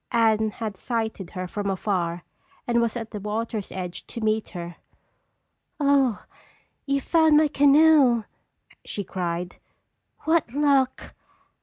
Anne had sighted her from afar and was at the water's edge to meet her. "Oh, you found my canoe!" she cried. "What luck!